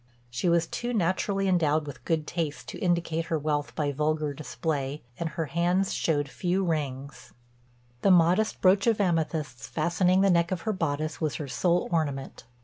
She was too naturally endowed with good taste to indicate her wealth by vulgar display, and her hands showed few rings; the modest brooch of amethysts fastening the neck of her bodice was her sole ornament.